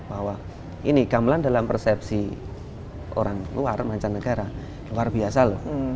bahwa ini gamelan dalam persepsi orang luar mancanegara luar biasa loh